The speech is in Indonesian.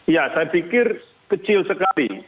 ya saya pikir kecil sekali